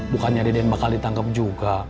bukannya deden bakal ditangkep juga